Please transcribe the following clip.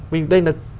mình đây là